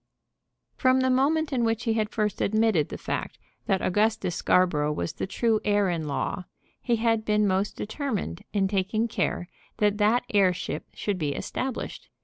From the moment in which he had first admitted the fact that Augustus Scarborough was the true heir at law, he had been most determined in taking care that that heirship should be established.